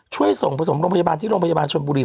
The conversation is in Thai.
ช่วยส่งผสมโรงพยาบาลที่โรงพยาบาลชนบุรี